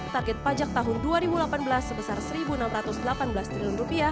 target pajak tahun dua ribu delapan belas sebesar satu enam ratus delapan puluh